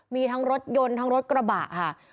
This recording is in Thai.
มีทั้งรถยนต์ทั้งรถกระบะค่ะ